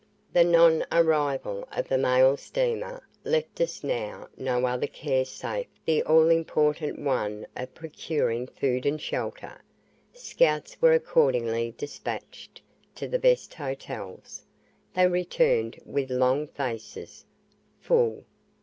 The non arrival of the mail steamer left us now no other care save the all important one of procuring food and shelter. Scouts were accordingly despatched to the best hotels; they returned with long faces "full."